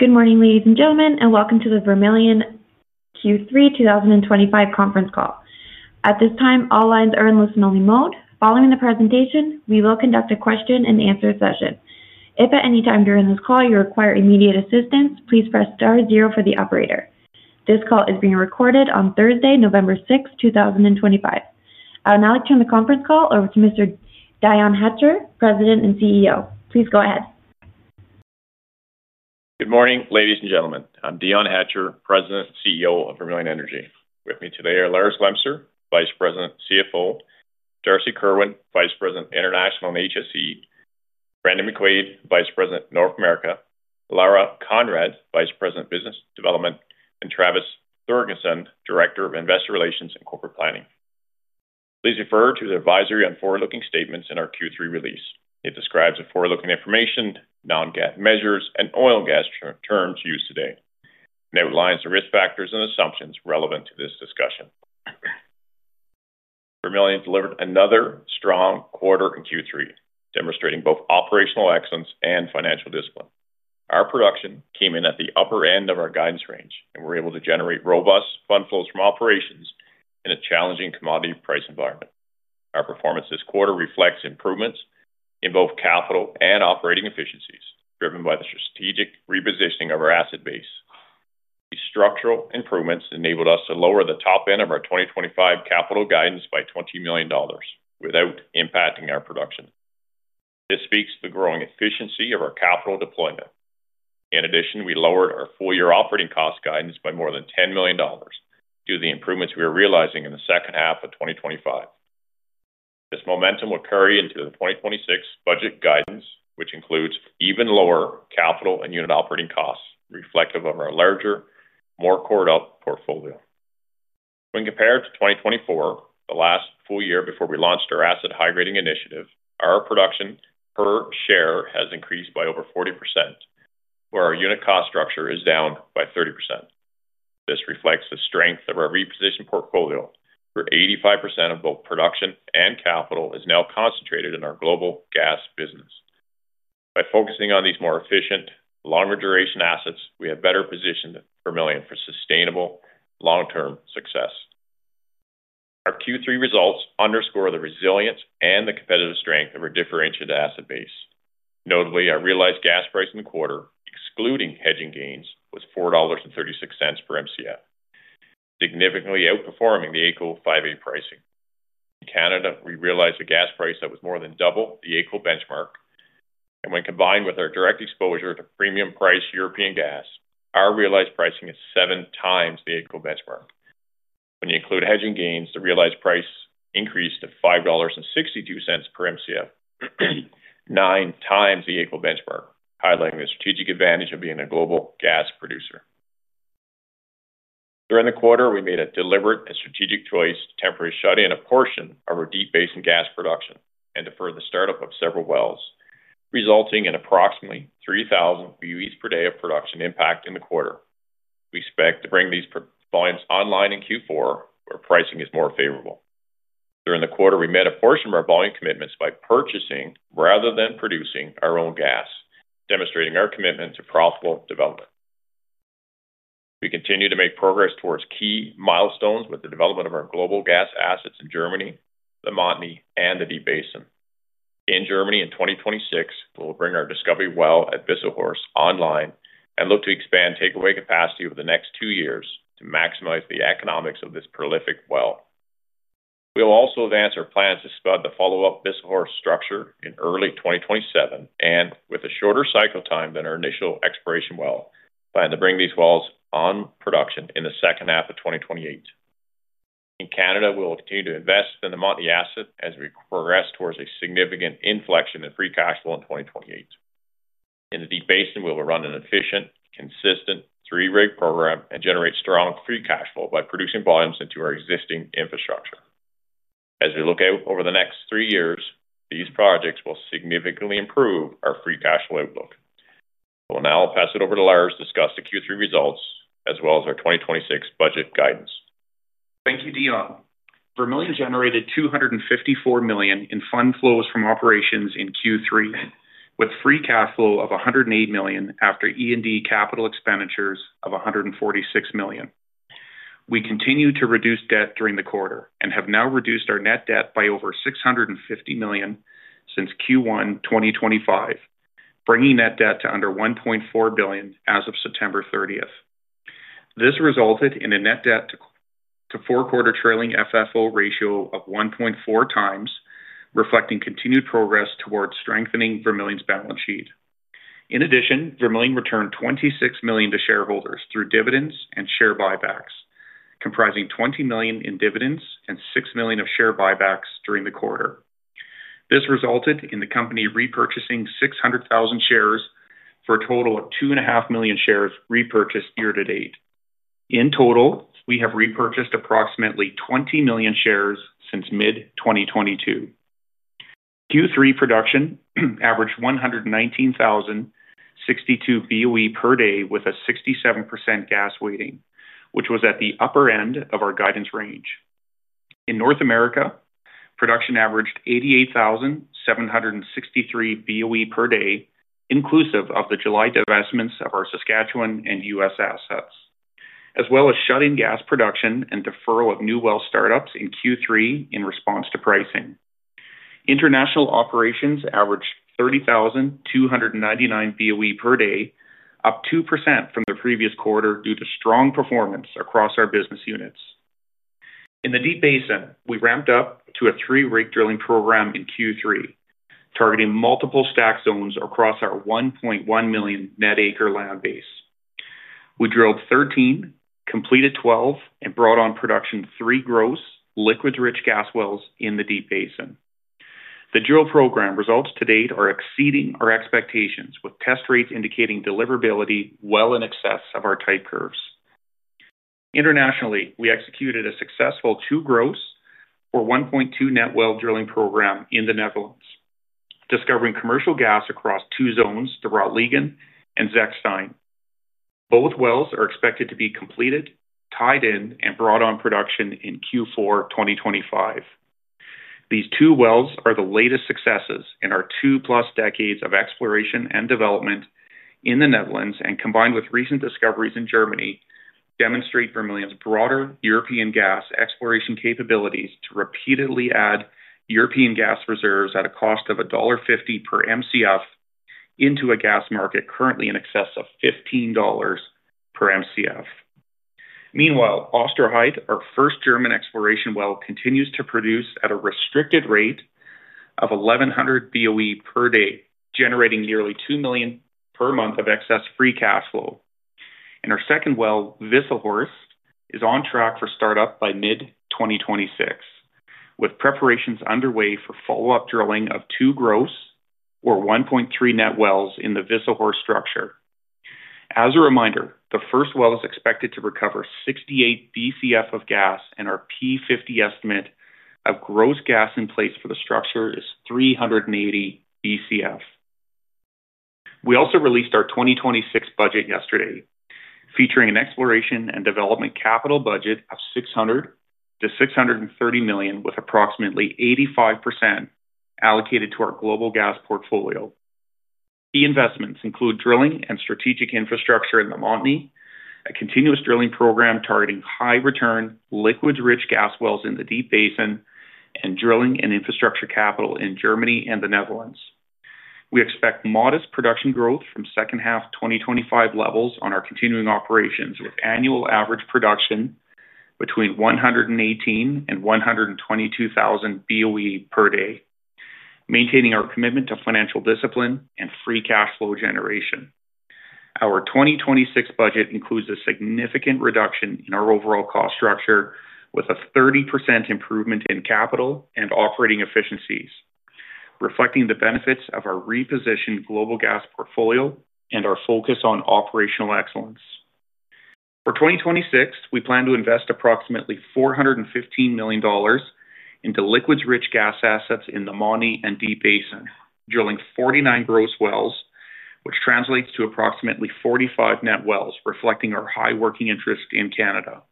Good morning, ladies and gentlemen, and welcome to the Vermilion Q3 2025 conference call. At this time, all lines are in listen-only mode. Following the presentation, we will conduct a question-and-answer session. If at any time during this call you require immediate assistance, please press star zero for the operator. This call is being recorded on Thursday, November 6, 2025. I will now turn the conference call over to Mr. Dion Hatcher, President and CEO. Please go ahead. Good morning, ladies and gentlemen. I'm Dion Hatcher, President and CEO of Vermilion Energy. With me today are Lars Glemser, Vice President, CFO; Darcy Kerwin, Vice President, International and HSE; Brandon McQuaid, Vice President, North America; Laura Conrad, Vice President, Business Development; and Travis Thorgeirson, Director of Investor Relations and Corporate Planning. Please refer to the advisory on forward-looking statements in our Q3 release. It describes the forward-looking information, non-GAAP measures, and oil and gas terms used today, and outlines the risk factors and assumptions relevant to this discussion. Vermilion delivered another strong quarter in Q3, demonstrating both operational excellence and financial discipline. Our production came in at the upper end of our guidance range, and we were able to generate robust fund flows from operations in a challenging commodity price environment. Our performance this quarter reflects improvements in both capital and operating efficiencies, driven by the strategic repositioning of our asset base. These structural improvements enabled us to lower the top end of our 2025 capital guidance by 20 million dollars without impacting our production. This speaks to the growing efficiency of our capital deployment. In addition, we lowered our full-year operating cost guidance by more than 10 million dollars due to the improvements we are realizing in the second half of 2025. This momentum will carry into the 2026 budget guidance, which includes even lower capital and unit operating costs, reflective of our larger, more corded-up portfolio. When compared to 2024, the last full year before we launched our asset high-grading initiative, our production per share has increased by over 40%, while our unit cost structure is down by 30%. This reflects the strength of our repositioned portfolio, where 85% of both production and capital is now concentrated in our global gas business. By focusing on these more efficient, longer duration assets, we have better positioned Vermilion for sustainable, long-term success. Our Q3 results underscore the resilience and the competitive strength of our differentiated asset base. Notably, our realized gas price in the quarter, excluding hedging gains, was 4.36 dollars per MCF, significantly outperforming the AECO 5A pricing. In Canada, we realized a gas price that was more than double the AECO benchmark, and when combined with our direct exposure to premium priced European gas, our realized pricing is 7x the AECO benchmark. When you include hedging gains, the realized price increased to 5.62 dollars per MCF, 9x the AECO benchmark, highlighting the strategic advantage of being a global gas producer. During the quarter, we made a deliberate and strategic choice to temporarily shut in a portion of our Deep Basin gas production and defer the startup of several wells, resulting in approximately 3,000 BOEs per day of production impact in the quarter. We expect to bring these volumes online in Q4, where pricing is more favorable. During the quarter, we met a portion of our volume commitments by purchasing rather than producing our own gas, demonstrating our commitment to profitable development. We continue to make progress towards key milestones with the development of our global gas assets in Germany, the Montney, and the Deep Basin. In Germany in 2026, we will bring our discovery well at Visselhöhe online and look to expand takeaway capacity over the next two years to maximize the economics of this prolific well. We will also advance our plans to spud the follow-up Visselhöhe structure in early 2027, and with a shorter cycle time than our initial exploration well, plan to bring these wells on production in the second half of 2028. In Canada, we will continue to invest in the Montney asset as we progress towards a significant inflection in free cash flow in 2028. In the Deep Basin, we will run an efficient, consistent three-rig program and generate strong free cash flow by producing volumes into our existing infrastructure. As we look out over the next three years, these projects will significantly improve our free cash flow outlook. I will now pass it over to Lars to discuss the Q3 results as well as our 2026 budget guidance. Thank you, Dion. Vermilion generated 254 million in fund flows from operations in Q3, with free cash flow of 108 million after E&D capital expenditures of 146 million. We continue to reduce debt during the quarter and have now reduced our net debt by over 650 million since Q1 2023, bringing net debt to under 1.4 billion as of September 30. This resulted in a net debt to four-quarter trailing FFO ratio of 1.4x, reflecting continued progress towards strengthening Vermilion's balance sheet. In addition, Vermilion returned 26 million to shareholders through dividends and share buybacks, comprising 20 million in dividends and 6 million of share buybacks during the quarter. This resulted in the company repurchasing 600,000 shares for a total of 2.5 million shares repurchased year to date. In total, we have repurchased approximately 20 million shares since mid-2022. Q3 production averaged 119,062 BOE per day with a 67% gas weighting, which was at the upper end of our guidance range. In North America, production averaged 88,763 BOE per day, inclusive of the July divestments of our Saskatchewan and U.S. assets, as well as shutting gas production and deferral of new well start-ups in Q3 in response to pricing. International operations averaged 30,299 BOE per day, up 2% from the previous quarter due to strong performance across our business units. In the Deep Basin, we ramped up to a three-rig drilling program in Q3, targeting multiple stack zones across our 1.1 million net acre land base. We drilled 13, completed 12, and brought on production three gross liquid-rich gas wells in the Deep Basin. The drill program results to date are exceeding our expectations, with test rates indicating deliverability well in excess of our type curves. Internationally, we executed a successful two gross or 1.2 net well drilling program in the Netherlands, discovering commercial gas across two zones, De Rootlegen and Zechstein. Both wells are expected to be completed, tied in, and brought on production in Q4 2025. These two wells are the latest successes in our two-plus decades of exploration and development in the Netherlands, and combined with recent discoveries in Germany, demonstrate Vermilion's broader European gas exploration capabilities to repeatedly add European gas reserves at a cost of dollar 1.50 per MCF into a gas market currently in excess of $15 per MCF. Meanwhile, Osterheide, our first German exploration well, continues to produce at a restricted rate of 1,100 BOE per day, generating nearly 2 million per month of excess free cash flow. Our second well, Visselhöhe, is on track for startup by mid-2026, with preparations underway for follow-up drilling of two gross or 1.3 net wells in the Visselhöhe structure. As a reminder, the first well is expected to recover 68 BCF of gas, and our P50 estimate of gross gas in place for the structure is 380 BCF. We also released our 2026 budget yesterday, featuring an exploration and development capital budget of 600 million-630 million, with approximately 85% allocated to our global gas portfolio. Key investments include drilling and strategic infrastructure in the Montney, a continuous drilling program targeting high-return, liquids-rich gas wells in the Deep Basin, and drilling and infrastructure capital in Germany and the Netherlands. We expect modest production growth from second half 2025 levels on our continuing operations, with annual average production between 118,000 and 122,000 BOE per day, maintaining our commitment to financial discipline and free cash flow generation. Our 2026 budget includes a significant reduction in our overall cost structure, with a 30% improvement in capital and operating efficiencies, reflecting the benefits of our repositioned global gas portfolio and our focus on operational excellence. For 2026, we plan to invest approximately 415 million dollars into liquids-rich gas assets in the Montney and Deep Basin, drilling 49 gross wells, which translates to approximately 45 net wells, reflecting our high working interest in Canada.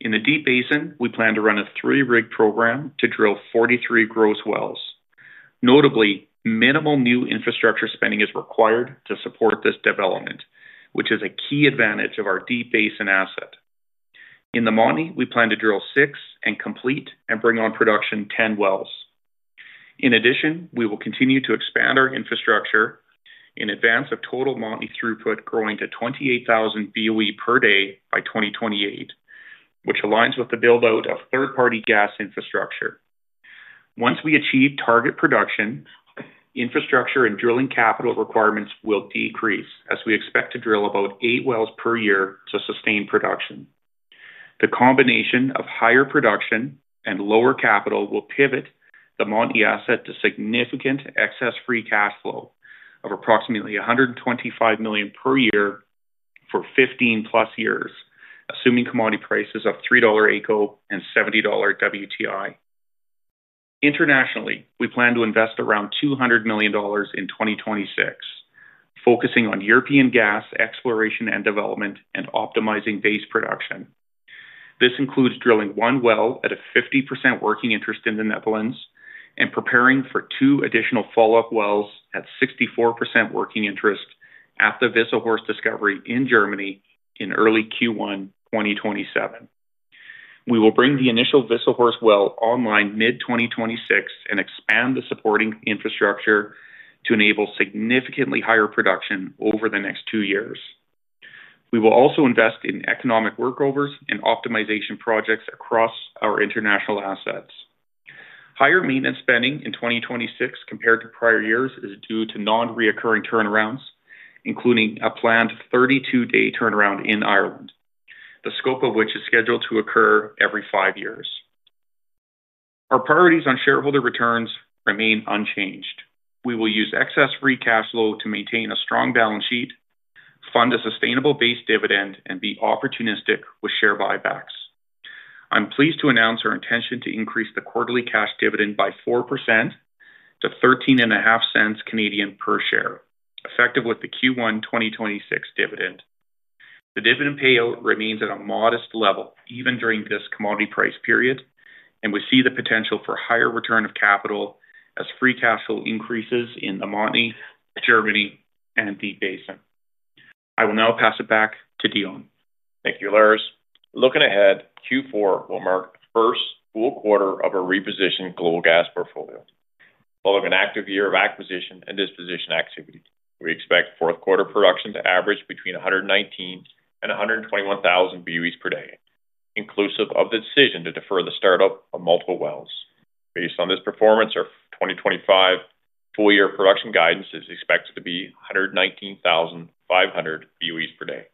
In the Deep Basin, we plan to run a three-rig program to drill 43 gross wells. Notably, minimal new infrastructure spending is required to support this development, which is a key advantage of our Deep Basin asset. In the Montney, we plan to drill six and complete and bring on production 10 wells. In addition, we will continue to expand our infrastructure in advance of total Montney throughput, growing to 28,000 BOE per day by 2028, which aligns with the buildout of third-party gas infrastructure. Once we achieve target production, infrastructure and drilling capital requirements will decrease as we expect to drill about eight wells per year to sustain production. The combination of higher production and lower capital will pivot the Montney asset to significant excess free cash flow of approximately 125 million per year for 15+ years, assuming commodity prices of 3 dollar AECO and 70 dollar WTI. Internationally, we plan to invest around 200 million dollars in 2026. Focusing on European gas exploration and development and optimizing base production. This includes drilling one well at a 50% working interest in the Netherlands and preparing for two additional follow-up wells at 64% working interest at the Visselhöhe discovery in Germany in early Q1 2027. We will bring the initial Visselhöhe well online mid-2026 and expand the supporting infrastructure to enable significantly higher production over the next two years. We will also invest in economic workovers and optimization projects across our international assets. Higher maintenance spending in 2026 compared to prior years is due to non-recurring turnarounds, including a planned 32-day turnaround in Ireland, the scope of which is scheduled to occur every five years. Our priorities on shareholder returns remain unchanged. We will use excess free cash flow to maintain a strong balance sheet, fund a sustainable base dividend, and be opportunistic with share buybacks. I'm pleased to announce our intention to increase the quarterly cash dividend by 4, to 0.135 per share, effective with the Q1 2026 dividend. The dividend payout remains at a modest level even during this commodity price period, and we see the potential for higher return of capital as free cash flow increases in the Montney, Germany, and Deep Basin. I will now pass it back to Dion. Thank you, Lars. Looking ahead, Q4 will mark the first full quarter of our repositioned global gas portfolio. Following an active year of acquisition and disposition activity, we expect fourth quarter production to average between 119,000 and 121,000 BOEs per day, inclusive of the decision to defer the start-up of multiple wells. Based on this performance, our 2025 full year production guidance is expected to be 119,500 BOEs per day.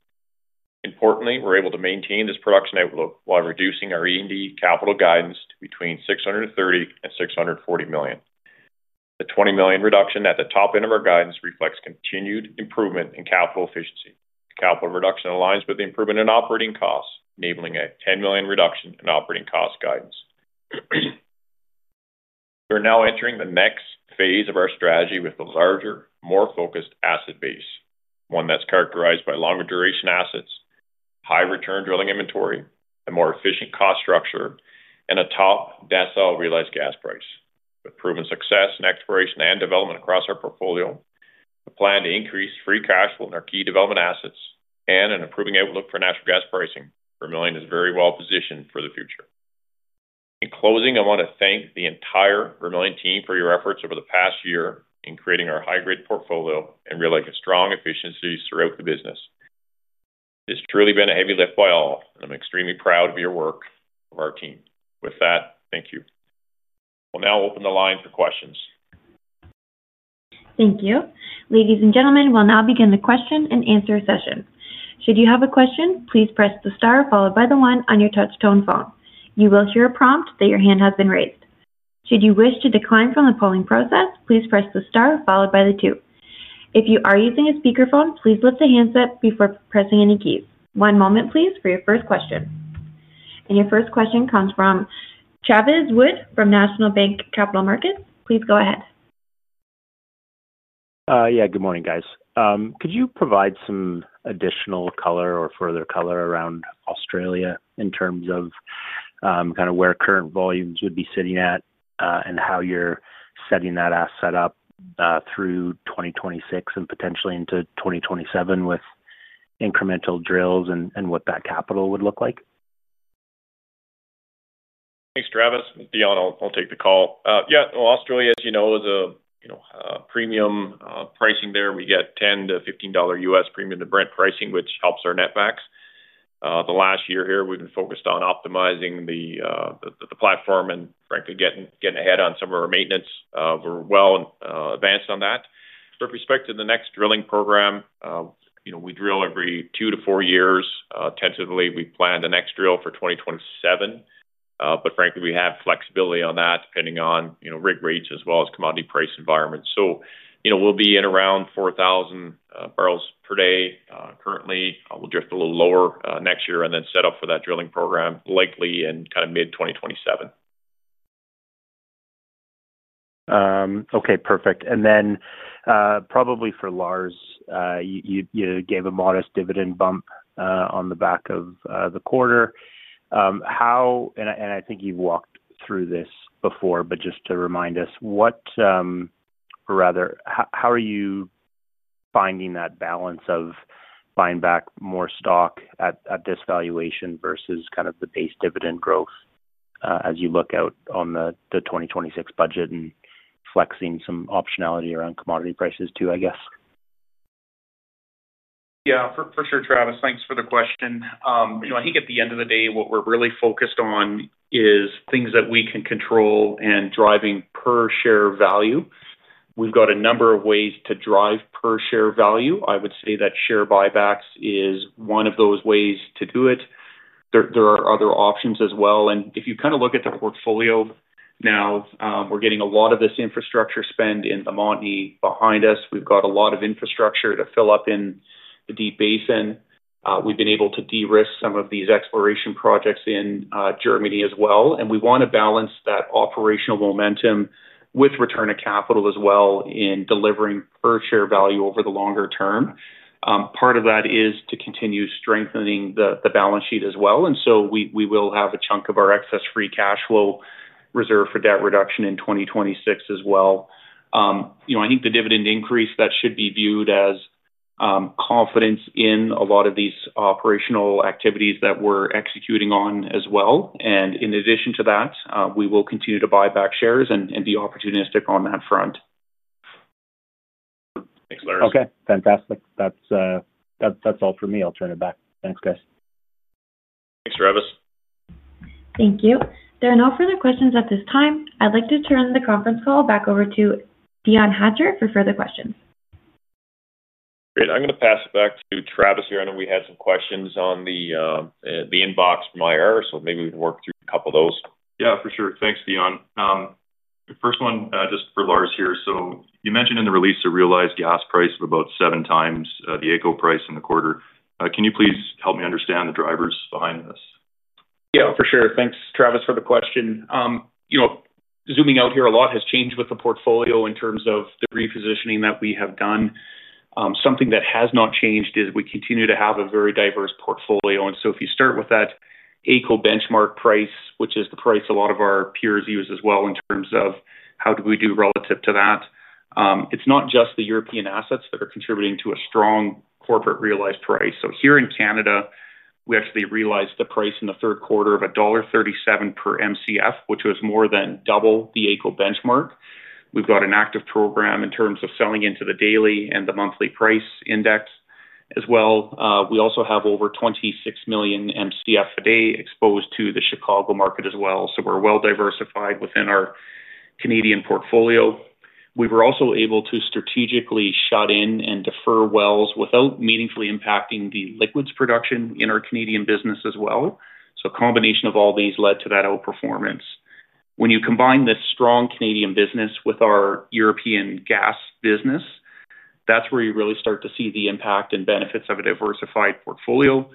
Importantly, we're able to maintain this production outlook while reducing our E&D capital guidance to between 630 million and 640 million. The 20 million reduction at the top end of our guidance reflects continued improvement in capital efficiency. The capital reduction aligns with the improvement in operating costs, enabling a 10 million reduction in operating cost guidance. We're now entering the next phase of our strategy with a larger, more focused asset base, one that's characterized by longer duration assets, high-return drilling inventory, a more efficient cost structure, and a top decile realized gas price. With proven success in exploration and development across our portfolio, a plan to increase free cash flow in our key development assets and an improving outlook for natural gas pricing, Vermilion is very well positioned for the future. In closing, I want to thank the entire Vermilion team for your efforts over the past year in creating our high-grade portfolio and realizing strong efficiencies throughout the business. It's truly been a heavy lift by all, and I'm extremely proud of your work, of our team. With that, thank you. We'll now open the line for questions. Thank you. Ladies and gentlemen, we'll now begin the question-and-answer session. Should you have a question, please press the star followed by the one on your touch-tone phone. You will hear a prompt that your hand has been raised. Should you wish to decline from the polling process, please press the star followed by the two. If you are using a speakerphone, please lift the handset before pressing any keys. One moment, please, for your first question. Your first question comes from Travis Wood from National Bank Capital Markets. Please go ahead. Yeah, good morning, guys. Could you provide some additional color or further color around Australia in terms of kind of where current volumes would be sitting at and how you're setting that asset up through 2026 and potentially into 2027 with incremental drills and what that capital would look like? Thanks, Travis. Dion, I'll take the call. Australia, as you know, is a premium pricing there. We get $10-$15 premium to Brent pricing, which helps our net backs. The last year here, we've been focused on optimizing the platform and, frankly, getting ahead on some of our maintenance. We're well advanced on that. With respect to the next drilling program, we drill every two to four years. Tentatively, we planned the next drill for 2027. Frankly, we have flexibility on that depending on rig rates as well as commodity price environments. We'll be in around 4,000 barrels per day currently. We'll drift a little lower next year and then set up for that drilling program likely in kind of mid-2027. Okay, perfect. Probably for Lars, you gave a modest dividend bump on the back of the quarter. I think you've walked through this before, but just to remind us, how are you finding that balance of buying back more stock at this valuation versus kind of the base dividend growth as you look out on the 2026 budget and flexing some optionality around commodity prices too, I guess? Yeah, for sure, Travis. Thanks for the question. I think at the end of the day, what we're really focused on is things that we can control and driving per share value. We've got a number of ways to drive per share value. I would say that share buybacks is one of those ways to do it. There are other options as well. If you kind of look at the portfolio now, we're getting a lot of this infrastructure spend in the Montney behind us. We've got a lot of infrastructure to fill up in the Deep Basin. We've been able to de-risk some of these exploration projects in Germany as well. We want to balance that operational momentum with return of capital as well in delivering per share value over the longer-term. Part of that is to continue strengthening the balance sheet as well. We will have a chunk of our excess free cash flow reserved for debt reduction in 2026 as well. I think the dividend increase, that should be viewed as confidence in a lot of these operational activities that we are executing on as well. In addition to that, we will continue to buy back shares and be opportunistic on that front. Okay, fantastic. That's all for me. I'll turn it back. Thanks, guys. Thanks, Travis. Thank you. There are no further questions at this time. I'd like to turn the conference call back over to Dion Hatcher for further questions. Great. I'm going to pass it back to Travis here. I know we had some questions on the inbox from IR, so maybe we can work through a couple of those. Yeah, for sure. Thanks, Dion. The first one just for Lars here. You mentioned in the release a realized gas price of about 7x the AECO price in the quarter. Can you please help me understand the drivers behind this? Yeah, for sure. Thanks, Travis, for the question. Zooming out here, a lot has changed with the portfolio in terms of the repositioning that we have done. Something that has not changed is we continue to have a very diverse portfolio. If you start with that AECO benchmark price, which is the price a lot of our peers use as well in terms of how do we do relative to that. It's not just the European assets that are contributing to a strong corporate realized price. Here in Canada, we actually realized the price in the third quarter of dollar 1.37 per MCF, which was more than double the AECO benchmark. We've got an active program in terms of selling into the daily and the monthly price index as well. We also have over 26 million MCF a day exposed to the Chicago market as well. We are well diversified within our Canadian portfolio. We were also able to strategically shut in and defer wells without meaningfully impacting the liquids production in our Canadian business as well. A combination of all these led to that outperformance. When you combine this strong Canadian business with our European gas business, that is where you really start to see the impact and benefits of a diversified portfolio.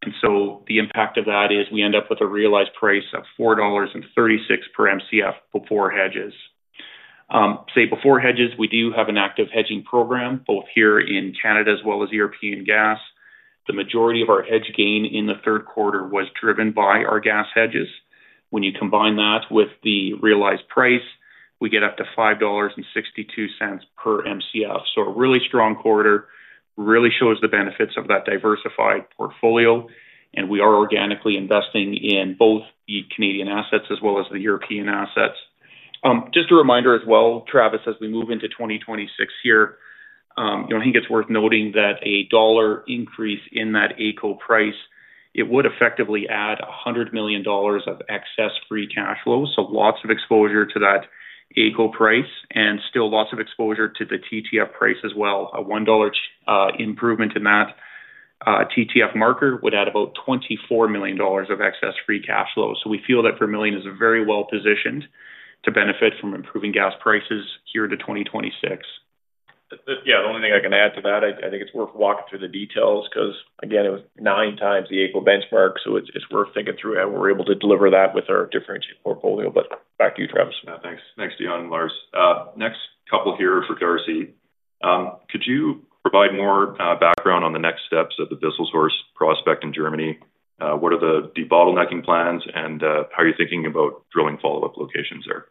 The impact of that is we end up with a realized price of 4.36 dollars per MCF before hedges. Before hedges, we do have an active hedging program both here in Canada as well as European gas. The majority of our hedge gain in the third quarter was driven by our gas hedges. When you combine that with the realized price, we get up to 5.62 dollars per MCF. A really strong quarter really shows the benefits of that diversified portfolio. We are organically investing in both the Canadian assets as well as the European assets. Just a reminder as well, Travis, as we move into 2026 here, I think it's worth noting that a $1 increase in that AECO price would effectively add 100 million dollars of excess free cash flow. Lots of exposure to that AECO price and still lots of exposure to the TTF price as well. A 1 dollar improvement in that TTF marker would add about 24 million dollars of excess free cash flow. We feel that Vermilion is very well positioned to benefit from improving gas prices here to 2026. Yeah, the only thing I can add to that, I think it's worth walking through the details because, again, it was 9x the AECO benchmark. It's worth thinking through how we're able to deliver that with our differentiated portfolio. Back to you, Travis. Thanks, Dion and Lars. Next couple here for Darcy. Could you provide more background on the next steps of the Visselhöhe prospect in Germany? What are the bottlenecking plans and how are you thinking about drilling follow-up locations there?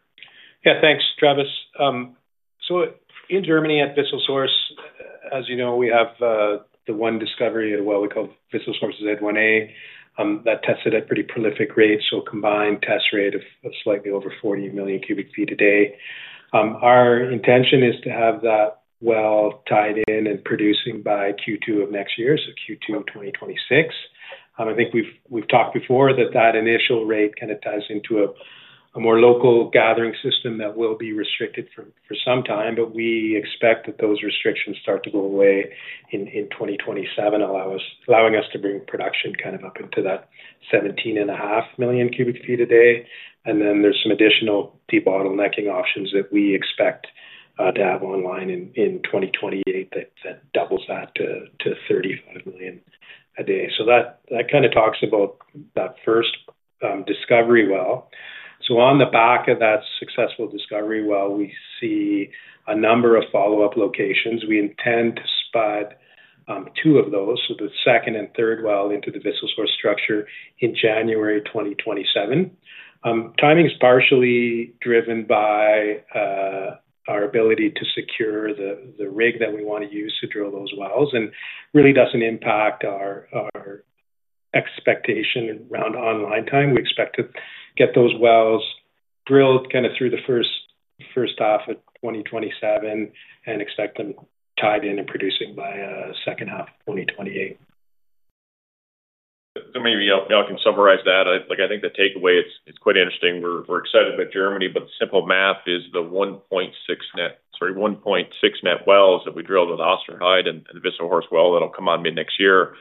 Yeah, thanks, Travis. In Germany at Visselhöhe, as you know, we have the one discovery at a well we call Visselhöhe Z1A that tested at pretty prolific rates. A combined test rate of slightly over 40 million cubic feet a day. Our intention is to have that well tied in and producing by Q2 of next year, so Q2 2026. I think we've talked before that that initial rate kind of ties into a more local gathering system that will be restricted for some time. We expect that those restrictions start to go away in 2027, allowing us to bring production kind of up into that 17.5 million cubic feet a day. There are some additional debottlenecking options that we expect to have online in 2028 that doubles that to 35 million a day. That kind of talks about that first discovery well. On the back of that successful discovery well, we see a number of follow-up locations. We intend to spot two of those, so the second and third well into the Visselhöhe structure in January 2027. Timing is partially driven by our ability to secure the rig that we want to use to drill those wells and really does not impact our expectation around online time. We expect to get those wells drilled through the first half of 2027 and expect them tied in and producing by the second half of 2028. Maybe I can summarize that. I think the takeaway is quite interesting. We're excited about Germany, but the simple math is the 1.6 net, sorry, 1.6 net wells that we drilled with the Osterheide and the Visselhöhe well that'll come on mid-next year.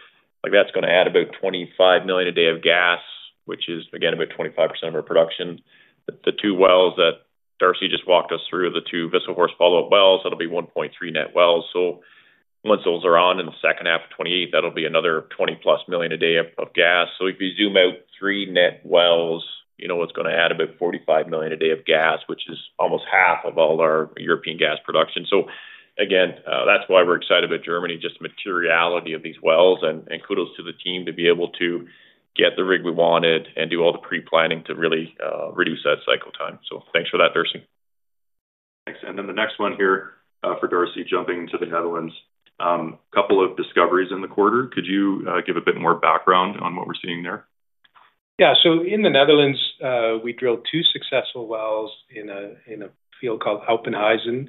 That's going to add about 25 million a day of gas, which is, again, about 25% of our production. The two wells that Darcy just walked us through, the two Visselhöhe follow-up wells, that'll be 1.3 net wells. Once those are on in the second half of 2028, that'll be another 20+ million a day of gas. If you zoom out, three net wells, you know it's going to add about 45 million a day of gas, which is almost half of all our European gas production. Again, that's why we're excited about Germany, just the materiality of these wells. Kudos to the team to be able to get the rig we wanted and do all the pre-planning to really reduce that cycle time. Thanks for that, Darcy. Thanks. The next one here for Darcy, jumping into the Netherlands. A couple of discoveries in the quarter. Could you give a bit more background on what we're seeing there? Yeah. In the Netherlands, we drilled two successful wells in a field called Alpenhuizen.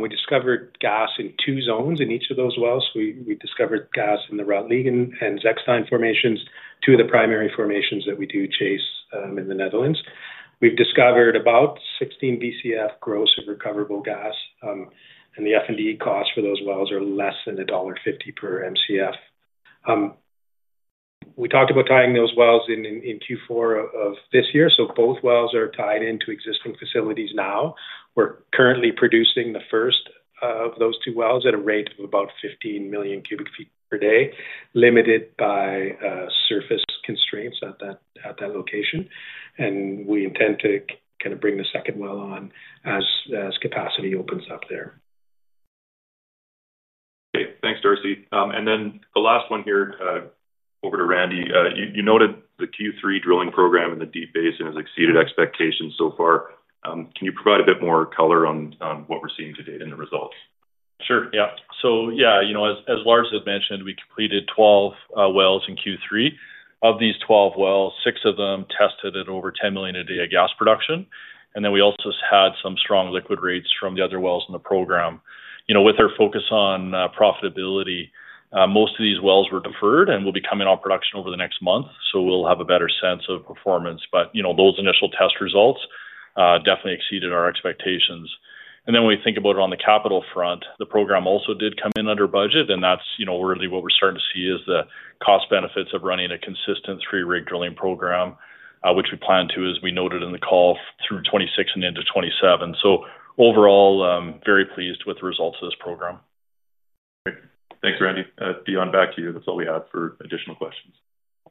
We discovered gas in two zones in each of those wells. We discovered gas in the Rottliegen and Zechstein formations, two of the primary formations that we do chase in the Netherlands. We have discovered about 16 BCF gross of recoverable gas. The F&D costs for those wells are less than dollar 1.50 per MCF. We talked about tying those wells in Q4 of this year. Both wells are tied into existing facilities now. We are currently producing the first of those two wells at a rate of about 15 million cubic feet per day, limited by surface constraints at that location. We intend to kind of bring the second well on as capacity opens up there. Great. Thanks, Darcy. Then the last one here, over to Randy. You noted the Q3 drilling program in the Deep Basin has exceeded expectations so far. Can you provide a bit more color on what we're seeing today in the results? Sure. Yeah. As Lars has mentioned, we completed 12 wells in Q3. Of these 12 wells, six of them tested at over 10 million a day of gas production. We also had some strong liquid rates from the other wells in the program. With our focus on profitability, most of these wells were deferred and will be coming on production over the next month. We will have a better sense of performance. Those initial test results definitely exceeded our expectations. When we think about it on the capital front, the program also did come in under budget. That is really what we are starting to see, the cost-benefits of running a consistent free rig drilling program, which we plan to, as we noted in the call, through 2026 and into 2027. Overall, very pleased with the results of this program. Great. Thanks, Randy. Dion, back to you. That's all we have for additional questions.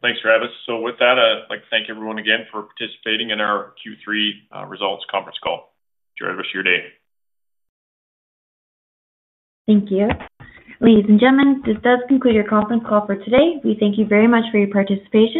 Thanks, Travis. With that, I'd like to thank everyone again for participating in our Q3 results conference call. Enjoy the rest of your day. Thank you. Ladies and gentlemen, this does conclude your conference call for today. We thank you very much for your participation.